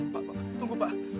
pak pak tunggu pak